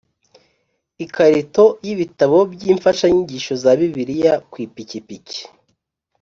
ikarito y ibitabo by imfashanyigisho za Bibiliya ku ipikipiki